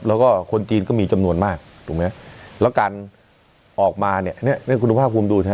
แล้วก็คนจีนก็มีจำนวนมากถูกไหมครับแล้วการออกมาเนี่ยเนี่ยคุณภาคภูมิดูนะ